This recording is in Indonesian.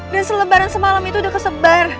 dan selebaran semalam itu udah kesebar